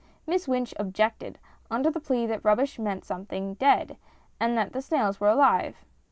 Miss Wynch objected, under the plea that rubbish meant something dead, and the snails were alive.